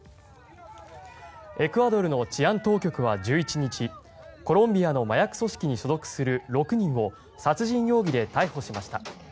エクアドルの治安当局は１１日コロンビアの麻薬組織に所属する６人を殺人容疑で逮捕しました。